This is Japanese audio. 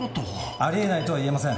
「ありえないとは言えません」